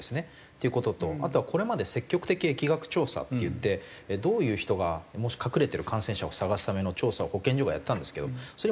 っていう事とあとはこれまで積極的疫学調査っていってどういう人が隠れてる感染者を探すための調査を保健所がやってたんですけどそれ